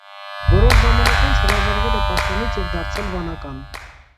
Որոշ ժամանակ անց հրաժարվել է պաշտոնից և դարձել վանական։